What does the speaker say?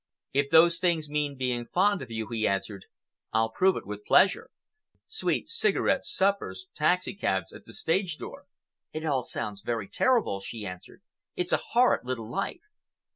"If those things mean being fond of you," he answered, "I'll prove it with pleasure. Sweets, cigarettes, suppers, taxicabs at the stage door." "It all sounds very terrible," she sighed. "It's a horrid little life."